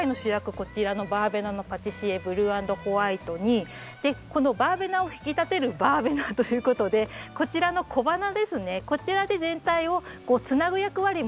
こちらのバーベナのパティシエブルー＆ホワイトにこのバーベナを引き立てるバーベナということでこちらの小花ですねこちらで全体をつなぐ役割も。